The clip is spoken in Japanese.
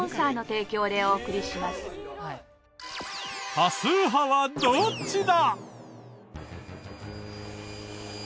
多数派はどっちだ？